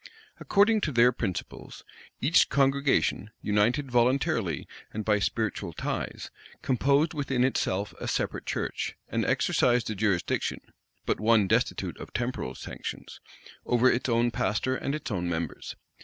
According to their principles, each congregation, united voluntarily and by spiritual ties, composed within itself a separate church, and exercised a jurisdiction, but one destitute of temporal sanctions, over its own pastor and its own members.